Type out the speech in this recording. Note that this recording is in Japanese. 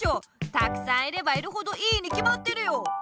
たくさんいればいるほどいいにきまってるよ！